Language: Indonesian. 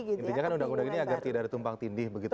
intinya kan undang undang ini agar tidak ada tumpang tindih begitu